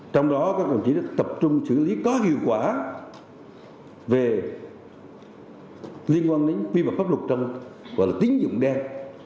trong đó các đồng chí đã tập trung xử lý có hiệu quả về liên quan đến vi bật pháp luật trong tính dụng đen